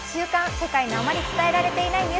世界のあまり伝えられていない、「週刊！